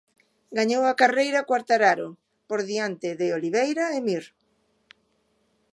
Gañou a carreira Quartararo, por diante de Oliveira e Mir.